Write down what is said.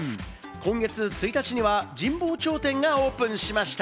今月１日には神保町店がオープンしました。